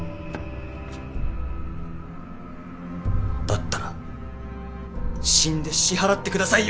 だったら死んで支払ってくださいよ。